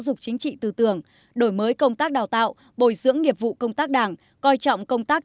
dục chính trị tư tưởng đổi mới công tác đào tạo bồi dưỡng nghiệp vụ công tác đảng coi trọng công tác